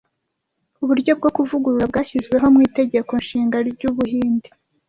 uburyo bwo kuvugurura bwashyizweho mu Itegeko Nshinga ry'Ubuhinde